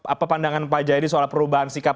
apa pandangan pak jayadi soal perubahan sikap